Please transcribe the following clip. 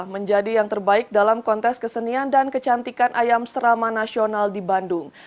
menjadi yang terbaik dalam kontes kesenian dan kecantikan ayam serama nasional di bandung